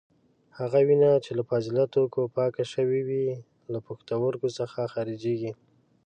هغه وینه چې له فاضله توکو پاکه شوې وي له پښتورګو څخه خارجېږي.